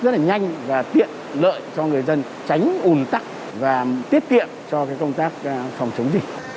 rất là nhanh và tiện lợi cho người dân tránh ùn tắc và tiết kiệm cho công tác phòng chống dịch